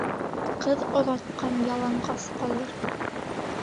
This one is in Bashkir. Ҡыҙ оҙатҡан яланғас ҡалыр